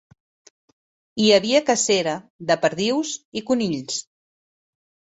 Hi havia cacera de perdius i conills.